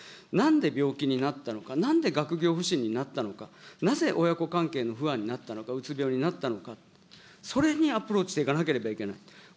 なんで病気になったのか、なんで学業不振になったのか、なぜ親子関係の不和になったのか、うつ病になったのか、それにアプローチしていかなければいけない。